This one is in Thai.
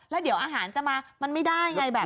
แล้วเดี๋ยวอาหารจะมามันไม่ได้ไงแบบ